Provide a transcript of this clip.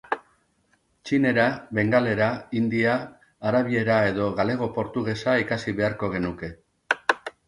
Txinera, bengalera, hindia, arabiera, edo galego-portugesa ikasi beharko genuke.